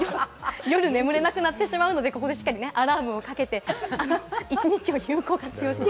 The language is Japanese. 夜眠れなくなってしまうので、しっかりアラームをかけて、一日を有効活用しないと。